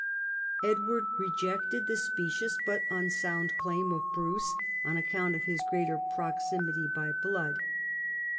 Edward rejected the specious but unsound claim of Bruce on account of his greater proximity by blood.